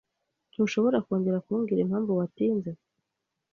Ntushobora kongera kumbwira impamvu watinze?